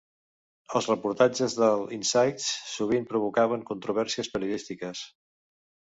Els reportatges de "Insight's" sovint provocaven controvèrsies periodístiques.